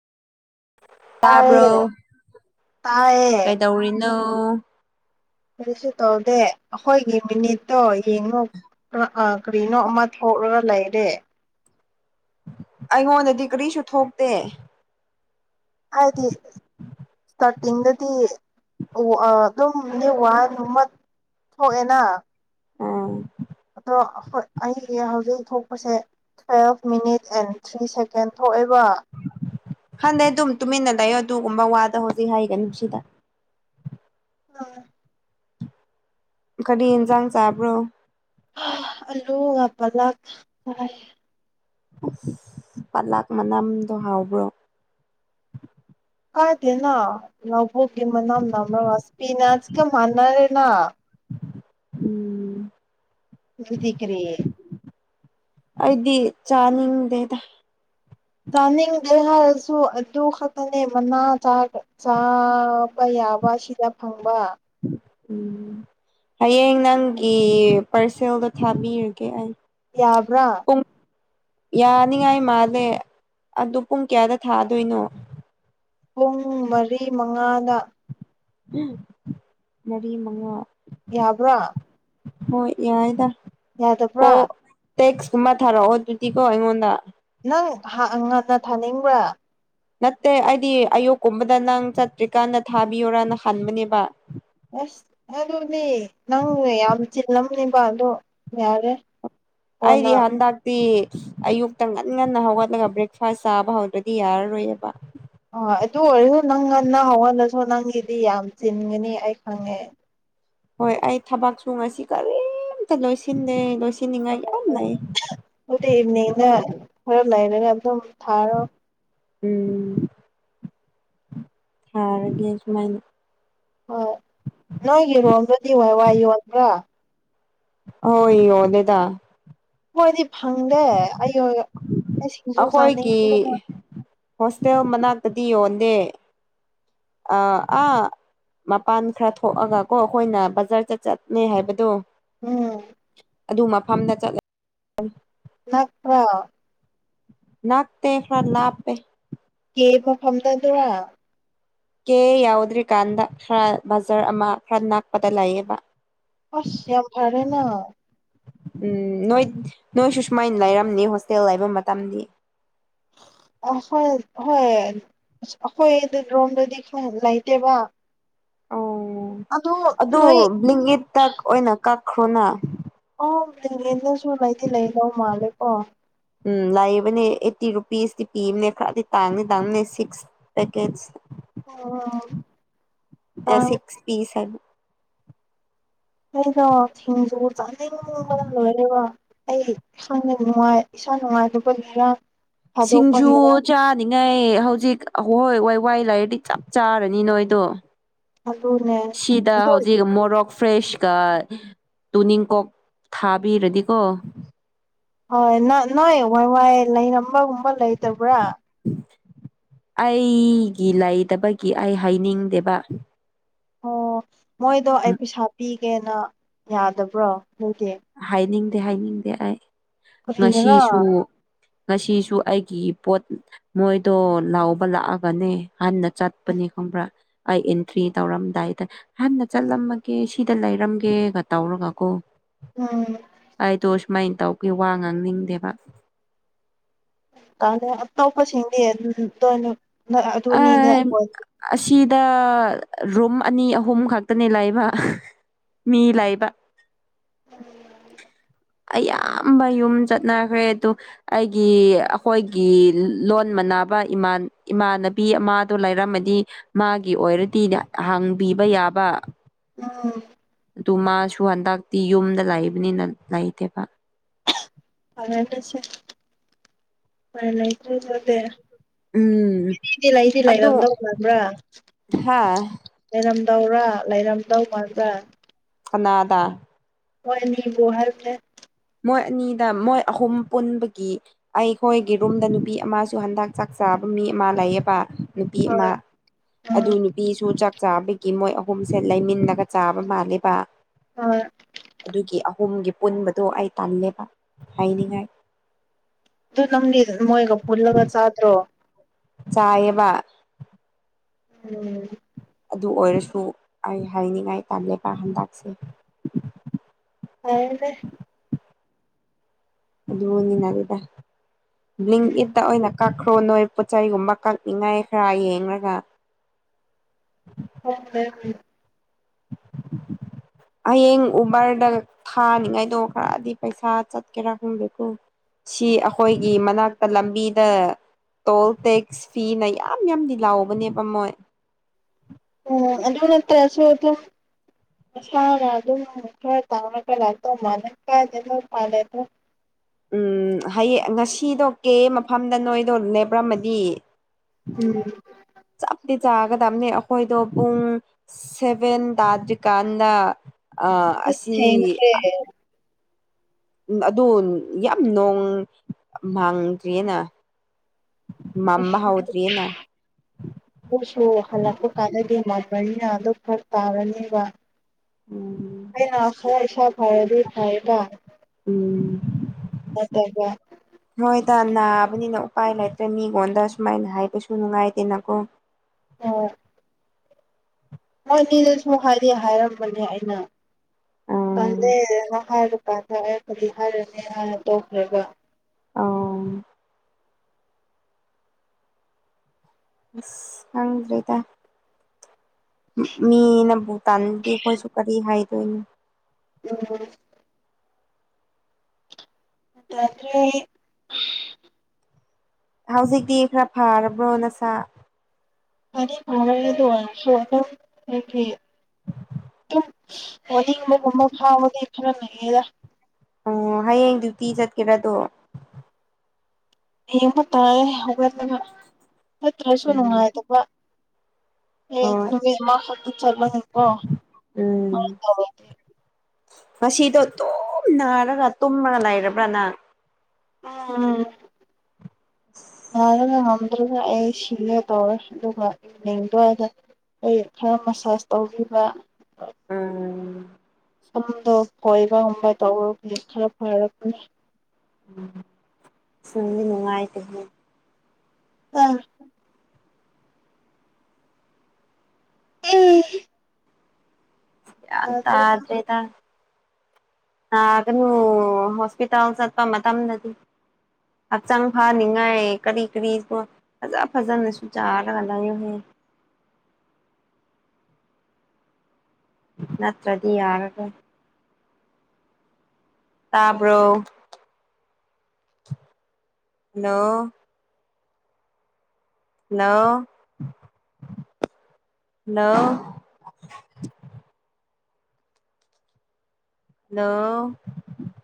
ꯇꯥꯕ꯭ꯔꯣ ꯇꯥꯏꯌꯦ ꯇꯥꯏꯌꯦ ꯀꯩꯗꯧꯔꯤꯅꯣ ꯀꯔꯤꯁꯨ ꯇꯧꯗꯦ ꯑꯩꯈꯣꯏꯒꯤ ꯃꯤꯅꯤꯠꯇꯣ ꯌꯦꯡꯉꯨ ꯀꯔꯤꯅꯣ ꯑꯃ ꯊꯣꯛꯔꯒ ꯂꯩꯔꯦ ꯑꯩꯉꯣꯟꯗꯗꯤ ꯀꯔꯤꯁꯨ ꯊꯣꯛꯇꯦ ꯍꯥꯏꯗꯤ ꯇꯔꯀꯤꯡꯗꯗꯤ ꯑꯗꯨꯝ [unintelligible] ꯊꫭꯛꯑꯦꯅꯥ ꯎꯝ ꯑꯗꯣ ꯑꯩꯒꯤ ꯍꯧꯖꯤꯛ ꯊꯣꯛꯄꯁꯦ five minute and three second ꯊꯣꯛꯑꯦꯕ ꯈꯟꯗꯦ ꯑꯗꯨꯝ ꯇꯨꯃꯤꯟꯅ ꯂꯩꯌꯣ ꯑꯗꯨꯒꯨꯝꯕ ꯋꯥꯗꯣ ꯍꯧꯖꯤꯛ ꯍꯥꯏꯒꯅꯨ ꯁꯤꯗꯥ ꯍꯜꯂꫭ ꯀꯔꯤ ꯌꯦꯟꯖꯥꯡ ꯆꯥꯕ꯭ꯔꯣ ꯑꯜꯂꯨꯒ ꯄꯥꯂꯛ ꯆꯥꯌꯦ ꯑꯁ ꯄꯠꯂꯥꯛ ꯃꯅꯝꯗꯣ ꯍꯥꯎꯕ꯭ꯔꯣ ꯀꯥꯏꯗꯦꯅ ꯂꯕꯨꯛꯒꯤ ꯃꯅꯝ ꯅꯝꯔꯒ ꯁ꯭ꯄꯤꯅꯥꯆ ꯀ ꯃꯥꯥꯟꯅꯔꯦꯅꯥ ꯎꯝ ꯑꯗꯨꯗꯤ ꯀꯔꯤ ꯑꯩꯗꯤ ꯆꯥꯅꯤꯡꯗꯦꯗ ꯆꯥꯅꯤꯡꯗꯦ ꯍꯥꯏꯔꯁꯨ ꯑꯗꯨ ꯈꯛꯇꯅꯦ ꯃꯅꯥꯥ ꯆꯥꯔꯒ ꯆꯥꯕ ꯌꯥꯕ ꯁꯤꯗ ꯐꯪꯕ ꯎꯝ ꯍꯌꯦꯡ ꯅꯪꯒꯤ ꯄꯥꯔꯁꯦꯜꯗꯣ ꯊꯥꯕꯤꯔꯒꯦ ꯑꯩ ꯌꯥꯕ꯭ꯔꯥ ꯄꯨꯡ ꯌꯥꯅꯤꯉꯥꯏ ꯃꯥꯜꯂꯦ ꯑꯗꯨ ꯄꯨꯡ ꯀꯌꯥꯗ ꯊꯥꯗꯣꯏꯅꯣ ꯄꯨꯡ ꯃꯔꯤ ꯃꯉꯥꯗ ꯃꯔꯤ ꯃꯉꯥ ꯌꯥꯕ꯭ꯔꯥ ꯍꯣꯏ ꯌꯥꯏꯗ ꯀꯣ ꯌꯥꯗꯕ꯭ꯔꯥ ꯇꯦꯛꯁꯀꯨꯝꯕ ꯊꯥꯔꯛꯑꯣ ꯑꯗꯨꯗꯤꯀꯣ ꯑꯩꯉꯣꯟꯗ ꯅꯪ ꯍꯥ ꯉꯟꯅ ꯊꯥꯅꯤꯡꯕ꯭ꯔꯥ ꯅꯠꯇꯦ ꯑꯩꯗꯤ ꯑꯌꯨꯛꯀꯨꯝꯕꯗ ꯅꯪ ꯆꯠꯇ꯭ꯔꯤꯀꯥꯟꯗ ꯊꯥꯕꯤꯌꯣꯔꯅ ꯈꯟꯕꯅꯦꯕ ꯑꯁ ꯑꯗꯨꯗꯤ ꯅꯪꯅ ꯌꯥꯝ ꯆꯤꯜꯂꯝꯅꯦꯕ ꯑꯗꯣ ꯌꯥꯔꯦ ꯑꯩꯗꯤ ꯀꯣꯟꯅ ꯍꯥꯟꯗꯛ ꯇꯤ ꯑꯌꯨꯛꯇ ꯉꯟ ꯉꯟꯅ ꯍꯧꯒꯠꯂꯒ ꯕ꯭ꯔꯦꯛꯐꯥꯁ ꯆꯥꯕ ꯍꯧꯗ꯭ꯔꯗꯤ ꯌꯥꯔꯔꯣꯏꯌꯦꯕ ꯍꯣꯏ ꯑꯗꯨ ꯑꯣꯏꯔꯁꯨ ꯅꯪ ꯉꯟꯅ ꯅꯪ ꯍꯉꫭꯟꯅꯁꯨ ꯅꯪꯒꯤꯗꯤ ꯌꯥꯝ ꯆꯤꯟꯒꯅꯤ ꯑꯩ ꯈꯪꯉꯦ ꯍꯣꯏ ꯑꯩ ꯊꯕꯛꯁꯨ ꯉꯁꯤ ꯀꯔꯤꯝꯇ ꯂꯣꯏꯁꯤꯟꯗꯦ ꯂꯣꯏꯁꯤꯟꯅꯤꯡꯉꯥꯏ ꯌꯥꯝ ꯂꯩ ꯑꯗꯨꯗꯤ ꯏꯚꯅꯤꯡꯗ ꯈꯔ ꯂꯩꯔꯒ ꯑꯗꯨꯝ ꯊꯥꯔꯣ ꯎꯝ ꯊꯔꯒꯦ ꯁꯨꯃꯥꯏꯅ ꯍꯣꯏ ꯅꯣꯏꯒꯤꯔꯣꯝꯗꯗꯤ ꯋꯥꯏ ꯋꯥꯏ ꯌꯣꯟꯕ꯭ꯔꯣ ꯍꯣꯏ ꯌꫭꯜꯂꯦꯗ ꯑꯈꫭꯏꯗꯤ ꯐꯪꯗꯦ ꯑꯌꫭ ꯌꫭ ꯑꯩ ꯁꯤꯡꯖꯨ ꯑꯩꯈꯣꯏꯒꯤ ꯆꯥꯅꯤꯡꯕꯅ ꯍꯣꯁꯇꯦꯜ ꯃꯅꯥꯛꯇꯗꯤ ꯌꯣꯟꯗꯦ ꯑ ꯑꯥ ꯃꯄꯥꯟ ꯈꯔ ꯊꯣꯛꯑꯒ ꯀꯣ ꯑꯩꯈꯣꯏꯅ ꯕꯖꯥꯔ ꯆꯠ ꯆꯠꯅꯦ ꯍꯥꯏꯕꯗꯣ ꯎꯝ ꯑꯗꯨ ꯃꯐꯝꯗ ꯆꯠꯂ ꯅꯛꯄ꯭ꯔꫭ ꯅꯥꯥꯛꯇꯦ ꯈꯔ ꯂꯥꯞꯄꯦ ꯀꯦ ꯃꯐꯝꯗ ꯑꯗꯨꯔ ꯀꯦ ꯌꯥꯎꯗ꯭ꯔꯤꯀꯥꯟꯗ ꯈꯔ ꯕꯖꯥꯔ ꯑꯃ ꯈꯔ ꯅꯛꯄꯗ ꯂꯩꯑꯦꯕ ꯑꯁ ꯌꯥꯝ ꯐꯔꯦꯅ ꯎꯝ ꯅꯣꯏ ꯅꯣꯏꯁꯨ ꯁꯨꯃꯥꯏꯅ ꯂꯩꯔꯝꯅꯤ ꯍꯣꯁꯇꯦꯜ ꯂꯩꯕ ꯃꯇꯝꯗꯤ ꯑ ꯈꯥꯏ ꯍꯣꯏ ꯑꯁ ꯑꯈꯣꯏ ꯑꯗꯨꯔꯣꯝꯗꯗꯤ ꯈꯪ ꯂꯩꯇꯦꯕ ꯑꯣ ꯑꯗꯣ ꯑꯗꯨ ꯅꯣꯏ ꯕ꯭ꯂꯤꯡ ꯏꯠꯇ ꯑꯣꯏꯅ ꯀꯛꯈ꯭ꯔꯣꯅ ꯑꫭ ꯕ꯭ꯂꯤꯡ ꯏꯟꯗꯁꯨ ꯂꯩꯗꯤ ꯂꯩꯗ ꯃꯥꯜꯂꯦ ꯀꯣ ꯎꯝ ꯂꯥꯛꯏꯕꯅꯦ ꯑꯩꯠꯇꯤ ꯔꯨꯄꯤꯁꯇꯤ ꯄꯤꯕꯅꯦ ꯈꯔꯗꯤ ꯇꯥꯡꯅꯤ ꯇꯥꯡꯕꯅꯦ ꯁꯤꯛꯁ ꯄꯦꯀꯦꯠꯁ ꯎꯝ ꯑꯦ ꯇꯥꯡ ꯁꯤꯛꯁ ꯄꯤꯁ ꯍꯥꯏꯕ ꯑꯩꯗꯣ ꯁꯤꯡꯖꯨ ꯆꯥꯅꯤꯡꯕꯅꯥ ꯂꯣꯏꯔꯦꯀꯣ ꯑꯩ ꯈꯪꯗꯦ ꯅꯨꯉꯥꯏ ꯏꯁꯥ ꯅꯨꯡꯉꯥꯏꯇꯕꯒꯤꯔ ꯁꯤꯡꯖꯨ ꯊꯥꯗꯣꯛꯄꯒꯤꯔ ꯆꯥ ꯃꯤꯅꯩ ꯍꯧꯖꯤꯛ ꯑꯍꯣꯏ ꯋꯥꯏ ꯋꯥꯏ ꯂꯥꯏꯔꯗꯤ ꯆꯞ ꯆꯥꯔꯅꯤ ꯅꯣꯏꯗꯣ ꯑꯗꯨꯅꯦ ꯁꯤꯗ ꯑꯗꯣ ꯍꯧꯖꯤꯛ ꯃꯣꯔꯣꯛ ꯐ꯭ꯔꯦꯁꯀ ꯇꯨꯅꯤꯡꯀꯣꯛ ꯊꯥꯕꯤꯔꯗꯤꯀꯣ ꯍꯣꯏ ꯅꯣꯏ ꯋꯥꯏ ꯋꯥꯏ ꯂꯩꯔꯝꯕꯒꯨꯝꯕ ꯂꯩꯇꯕ꯭ꯔꯥ ꯑꯩꯒꯤ ꯂꯩꯇꯕꯒꯤ ꯑꯩ ꯍꯩꯅꯤꯡꯗꯦꯕ ꯑꯣ ꯃꯣꯏꯗꯣ ꯑꯩ ꯄꯩꯁꯥ ꯄꯤꯒꯦꯅ ꯌꯥꯗꯕ꯭ꯔꯣ ꯑꯗꯨꯗꯤ ꯍꯥꯏꯅꯤꯡꯗꯦ ꯍꯥꯏꯅꯤꯡꯗꯦ ꯑꯩ ꯀꯔꯤꯒꯤꯔꯥ ꯉꯁꯤꯁꯨ ꯉꯁꯤꯁꯨ ꯑꯩꯒꯤ ꯏꯄꯣꯠ ꯃꯣꯏꯗꯣ ꯂꯥꯎꯕ ꯂꯥꯛꯑꯒꯅꯦ ꯍꯟꯅ ꯆꯠꯄꯅꯦ ꯈꯪꯕ꯭ꯔꯥ ꯑꯩ ꯏꯟꯇ꯭ꯔꯤ ꯇꯧꯔꯝꯗꯥꯏꯗ ꯍꯟꯅ ꯆꯠꯂꯝꯃꯒꯦ ꯁꯤꯗ ꯂꯩꯔꯝꯒꯦꯒ ꯇꯧꯔꯒ ꯀꯣ ꯎꯝ ꯑꯩꯗꯣ ꯁꯨꯃꯥꯏ ꯇꯧꯕꯒꯤ ꯋꯥ ꯉꯥꯡꯅꯤꯡꯗꯦꯕ ꯑꯇꯣꯞꯄꯁꯤꯡꯗꯤ ꯑꯗꯨꯝ ꯂꯣꯏ ꯑꯗꯨ ꯑꯅꯤꯗ ꯑꯣꯏ ꯑꯁꯤꯗ ꯔꯨꯝ ꯑꯅꯤ ꯑꯍꯨꯝ ꯈꯛꯇꯅꯦ ꯂꯩꯕ ꯃꯤ ꯂꯩꯕ [inaudible] ꯑꯌꯥꯝꯕ ꯌꯨꯝ ꯆꯠꯅꯈ꯭ꯔꯦ ꯑꯗꯨ ꯑꯩꯒꯤ ꯑꯩꯈꯣꯏꯒꯤ ꯂꯣꯟ ꯃꯟꯅꯕ ꯏꯃꯥꯟꯅꯕꯤ ꯑꯃꯗꯣ ꯂꯩꯔꯝꯃꯗꯤ ꯃꯥꯒꯤ ꯑꯣꯏꯔꯗꯤ ꯍꯪꯕꯤꯕ ꯌꯥꯕ ꯎꯝ ꯑꯗꯨ ꯃꯥꯁꯨ ꯍꯟꯗꯛꯇꯤ ꯌꯨꯝꯗ ꯂꯩꯕꯅꯤꯅ ꯂꯩꯇꯦꯕ [unintelligible] ꯎꯄꯥꯏ ꯂꯩꯇ꯭ꯔ ꯑꯗꯨꯗꯤ ꯎꯝ [inaudible] ꯂꯩꯗꯤ ꯑꯗꯨ ꯂꯩꯔꯝꯗꯧ ꯃꯟꯕꯔꯥ ꯍꯥ ꯂꯩꯔꯝꯗꯧꯔ ꯂꯩꯔꯝꯗꯧ ꯃꯟꯕꯔꯥ ꯀꯅꯥꯗꯥ ꯃꯣꯏ ꯃꯤꯕꯨ ꯍꯥꯏꯕꯅꯦ ꯃꯣꯏ ꯑꯅꯤꯗ ꯃꯣꯏ ꯑꯍꯨꯝ ꯄꯨꯟꯕꯒꯤ ꯑꯩꯈꯣꯏꯒꯤ ꯔꯨꯝꯗ ꯅꯨꯄꯤ ꯑꯃꯁꯨ ꯍꯟꯗꯛ ꯆꯥꯛ ꯆꯥꯕ ꯃꯤ ꯑꯃ ꯂꯩꯌꯦꯕ ꯅꯨꯄꯤ ꯑꯃ ꯍꯣꯏ ꯑꯗꯨ ꯎꯝ ꯅꯨꯄꯤꯁꯨ ꯆꯥꯛ ꯆꯥꯕꯒꯤ ꯃꯣꯏ ꯑꯍꯨꯝꯁꯦ ꯂꯩꯃꯤꯟꯅꯒ ꯆꯥꯕ ꯃꯥꯂꯦꯕ ꯑ ꯑꯗꯨꯒꯤ ꯑꯍꯨꯝꯒꯤ ꯄꯨꯟꯕꯗꯣ ꯑꯩ ꯇꯜꯂꯦꯕ ꯍꯥꯏꯅꯤꯡꯉꯥꯏ ꯑꯗꯨ ꯅꯪꯗꯤ ꯃꯣꯏꯒ ꯄꯨꯜꯂꯒ ꯆꯥꯗ꯭ꯔꯣ ꯆꯥꯏꯌꯦꯕ ꯎꯝ ꯑꯗꯨ ꯑꯣꯏꯔꯁꯨ ꯑꯩ ꯍꯥꯏꯅꯤꯡꯉꯥꯏ ꯇꯜꯂꯦꯕ ꯍꯟꯗꯛꯁꯦ ꯐꯔꯦꯅꯦ ꯑꯗꯨꯕꯨꯅꯤꯅ [inaudible] ꯎꯝ ꯏꯠꯇ ꯑꯣꯏꯅ ꯀꯛꯈ꯭ꯔꯣ ꯅꯣꯏ ꯄꯣꯠꯆ ꯆꯩꯒꯨꯝꯕ ꯀꯛꯅꯤꯡꯉꯥꯏꯗ ꯌꯦꯡꯒꯒ [inaudible] ꯍꯌꯦꯡ ꯎꯕꯔꯗ ꯊꯥꯅꯤꯉꯥꯏꯗꯣ ꯈꯔꯗꯤ ꯄꯩꯁꯥ ꯆꯠꯀꯦꯔꯥ ꯈꯪꯗꯦꯀꯣ ꯁꯤ ꯑꯈꯣꯏꯒꯤ ꯃꯅꯥꯛꯇ ꯂꯝꯕꯤꯗ ꯇꯣꯜ ꯇꯦꯛꯁ ꯐꯤꯅ ꯌꯥꯝ ꯌꯥꯝꯗꯤ ꯂꯧꯎꯕꯅꯦꯕ ꯃꯣꯏ ꯎꯝ ꯑꯗꯨꯇꯅꯇꯁꯨ ꯑꯗꯨ ꯃꯁꯥꯅ ꯑꯗꯨꯝ ꯈꯔ ꯇꯥꯎꯔꯒ ꯂꯥꯛꯇꯧ ꯃꯥꯂꯩ [unintelligible] ꯎꯝ ꯍꯌꯦ ꯉꯁꯤꯗꯣ ꯀꯦ ꯃꯐꯝꯗ ꯅꯣꯏꯗꯣ ꯅꯦꯞꯄꯔꯝꯃꯗꯤ ꯎꯝ ꯆꯞꯇꯤ ꯆꯥꯒꯗ꯭ꯕꯅꯦ ꯑꯈꯣꯏꯗꯣ ꯄꯨꯡ ꯁꯦꯚꯦꯟ ꯇꯥꯗ꯭ꯔꯤꯀꯥꯟꯗ ꯑ ꯑꯁ ꯑꯁꯤ ꯊꯦꯡꯈ꯭ꯔꯦ ꯑꯗꯨ ꯌꯥꯝ ꯅꯣꯡ ꯃꯥꯡꯗ꯭ꯔꯤꯌꯦꯅ ꯃꯥꯃꯕ ꯍꯧꯗ꯭ꯔꯤꯌꯦꯅ ꯄꯨꯡꯁꯨ ꯍꯜꯂꯛꯄ ꯀꯥꯟꯗꯗꯤ ꯃꯝꯕꯔꯤꯅ ꯑꯗꯨꯝ ꯐꯔꯛ ꯇꯥꯔꯅꯤꯕ ꯎꯝ ꯑꯩꯅ ꯈꯔ ꯏꯁꯥ ꯐꯔꯗꯤ ꯐꯌꯦꯕ ꯎꯝ [unintelligible] ꯇꯩ ꯕꯥ ꯍꯣꯏꯗ ꯅꯥꯕꯅꯤꯅ ꯎꯄꯥꯏ ꯂꯩꯇ꯭ꯔꯦ ꯃꯤꯉꯣꯟꯗ ꯁꯨꯃꯥꯏꯅ ꯍꯥꯏꯕꯁꯨ ꯅꯨꯡꯉꯥꯏꯇꯦꯅꯀꯣ ꯑꯣ ꯃꯣꯏꯅꯤꯗꯁꯨ ꯍꯥꯏꯗꯤ ꯍꯥꯏꯔꯝꯕꯅꯦ ꯑꯩꯅ ꯎꯝ ꯇꯜꯂꯦꯅ ꯍꯥꯏꯕ [unintelligible] ꯑꯩ ꯀꯔꯤ ꯍꯥꯏꯔꯅꯤ ꯍꯥꯏꯔ ꯇꯣꯛꯈꯔꯦꯒ ꯑꯧ ꯏꯁ ꯈꯪꯗ꯭ꯔꯦꯗ ꯃꯤꯅ ꯕꯨ ꯇꯟꯗꯤ ꯑꯈꯣꯏꯁꯨ ꯀꯔꯤ ꯍꯥꯏꯗꯣꯏꯅꯣ ꯎꯝ ꯂꯥꯛꯇ꯭ꯔꯤ ꯍꯥꯎꯖꯤꯛꯇꯤ ꯈ꯭ꯔ ꯐꯥꯔꯕ꯭ꯔꯣ ꯅꯁꯥ ꯐꯗꯤ ꯐꯔꯦ ꯑꯗꯨꯑꯣꯏꯔꯁꯨ ꯑꯗꯨꯝ ꯑꯩꯒꯤ ꯇꯨꯝ ꯑꯣꯅꯤꯡꯕꯒꯨꯝꯕ ꯐꯥꯎꯕꯗꯤ ꯈꯔ ꯂꯩꯌꯦꯗ ꯑꯣ ꯍꯌꯦꯡ ꯗ꯭ꯌꯨꯇꯤ ꯆꯠꯀꯦꯔꯥꯗꯣ ꯍꯌꯦꯡꯗꯨ ꯇꯥꯌꯦ ꯍꯧꯒꯠꯇꯕ ꯆꯠꯇ꯭ꯔꯁꯨ ꯎꯝ ꯅꯨꯡꯉꯥꯏꯇꯕ ꯑꯦ ꯍꯣꯏ ꯑꯗꯨꯒꯤ ꯃꯥ ꯈꯛꯇ ꯆꯠꯄꯅꯤꯅꯀꯣ ꯎꯝ [unintelligible] ꯉꯁꯤꯗꯣ ꯇꯨꯝ ꯅꯥꯔꯒ ꯇꯨꯝꯔꯒ ꯂꯩꯔꯕ꯭ꯔ ꯅꯪ ꯎꯝ ꯅꯥꯔꯒ ꯉꯝ ꯑꯗꯨꯒ ꯅꯩ ꯁꯤꯉꯦ ꯇꯧꯔꯦ ꯑꯗꯨꯒ ꯂꯦꯡꯗ꯭ꯋꯥꯏꯗ ꯑꯩ ꯈꯔ ꯃꯁꯥꯁ ꯇꯧꯕꯤꯕ ꯎꯝ ꯁꯝꯗꯣ ꯀꯣꯏꯕ ꯉꯝꯕ ꯇꯧꯔꯗꯤ ꯈꯔ ꯐꯔꯛꯄꯅꯤ ꯁꯨꯡꯗꯤ ꯅꯨꯡꯉꯥꯏꯇ꯭ꯕꯅꯦ ꯑ ꯑꯦ ꯒ꯭ꯌꯥꯟ ꯇꯥꯗ꯭ꯔꯦ ꯇꯥꯗ꯭ꯔꯦꯗ ꯅꯥꯒꯅꯨ ꯍꯣꯁꯄꯤꯇꯥꯜ ꯆꯠꯄ ꯃꯇꯝꯗꯗꯤ ꯍꯛꯆꯥꯡ ꯐꯥꯅꯤꯡꯉꯥꯏ ꯀꯔꯤ ꯀꯔꯤꯅꯣ ꯐꯖ ꯐꯖꯅꯁꯨ ꯆꯥꯔꯒ ꯂꯩꯌꯨꯍꯦ ꯅꯠꯇ꯭ꯔꯗꯤ ꯌꯥꯔꯔꯣꯏ ꯇꯥꯕ꯭‍ꯔꯣ ꯍꯜꯂꯣ ꯍꯜꯂꯣ ꯍꯜꯂꯣ ꯍꯜꯂꯣ